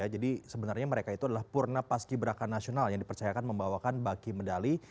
jadi sebenarnya mereka itu adalah purna paski beraka nasional yang dipercayakan membawakan baki medali